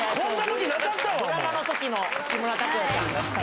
ドラマのときの木村拓哉さん。